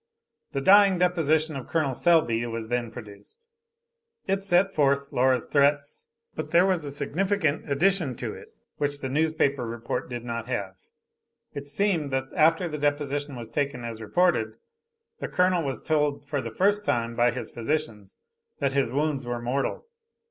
The dying deposition of Col. Selby was then produced. It set forth Laura's threats, but there was a significant addition to it, which the newspaper report did not have. It seemed that after the deposition was taken as reported, the Colonel was told for the first time by his physicians that his wounds were mortal.